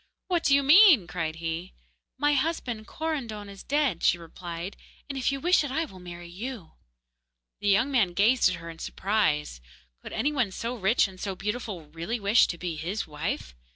'What do you mean?' cried he. 'My husband, Korandon, is dead,' she replied, 'and if you wish it, I will marry you.' The young man gazed at her in surprise. Could any one so rich and so beautiful really wish to be his wife?